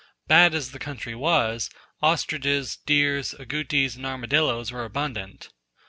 Bad as the country was, ostriches, deer, agoutis, and armadilloes, were abundant.